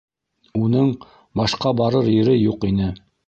Уның башҡа барыр ере юҡ ине.